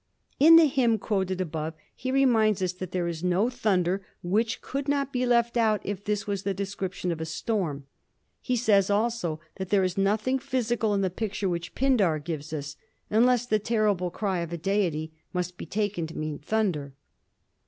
In the hymn quoted above he reminds us that there is no thunder which could not be left out if this were the description of a storm. He says also that there is nothing physical in the picture which Pindar gives us, unless the terrible cry of a deity must be taken to mean thunder.